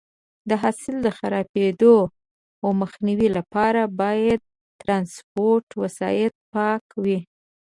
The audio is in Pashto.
د حاصل د خرابېدو مخنیوي لپاره باید د ټرانسپورټ وسایط پاک وي.